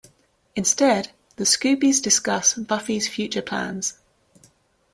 Instead, the Scoobies discuss Buffy's future plans.